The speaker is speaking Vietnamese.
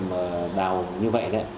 mà đào như vậy